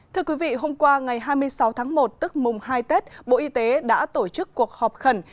thưa quý vị hôm qua ngày hai mươi sáu tháng một tức mùng hai tết bộ y tế đã tổ chức cuộc họp khẩn